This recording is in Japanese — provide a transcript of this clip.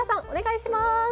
お願いします！